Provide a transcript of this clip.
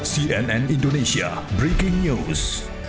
cnn indonesia breaking news